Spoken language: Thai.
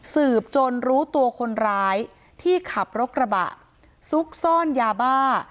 สืบจนรู้ตัวคนร้ายที่ขับรถกระบะซุกซ่อนยาบ้า